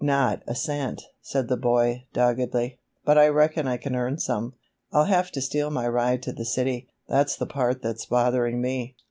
"Not a cent," said the boy, doggedly; "but I reckon I can earn some. I'll have to steal my ride to the city, that's the part that's bothering me."